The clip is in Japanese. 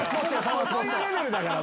そういうレベルだから。